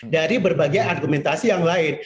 dari berbagai argumentasi yang lain